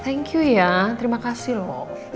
thank you ya terima kasih loh